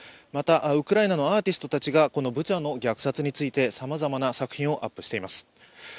また、ウクライナのアーティストたちがこのブチャの虐殺についてさまざまな作品をアップしています。